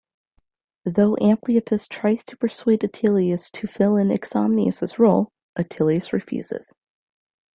Though Ampliatus tries to persuade Attilius to fill in Exomnius's role, Attilius refuses.